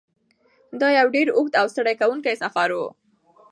دا یو ډېر اوږد او ستړی کوونکی سفر و.